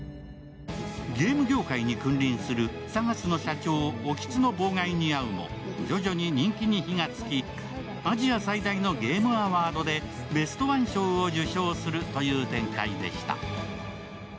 ゲーム業界に君臨するＳＡＧＡＳの社長・興津の妨害に遭うも、徐々に人気に火がつき、アジア最大のゲームアワードでベストワン賞を受賞するという展開でした。